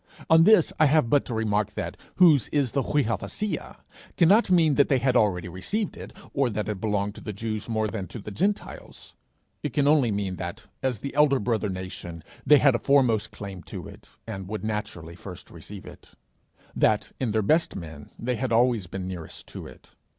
On this I have but to remark that 'whose is the [Greek: viothesia]' cannot mean either that they had already received it, or that it belonged to the Jews more than to the Gentiles; it can only mean that, as the elder brother nation, they had a foremost claim to it, and would naturally first receive it; that, in their best men, they had always been nearest to it.